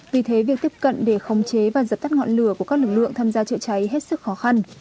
vì thế việc tiếp cận để khống chế và dập tắt ngọn lửa của các lực lượng tham gia chữa cháy hết sức khó khăn